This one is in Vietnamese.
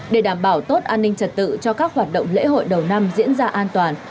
để đảm bảo tốt an ninh trật tự cho các hoạt động lễ hội đầu năm diễn ra an toàn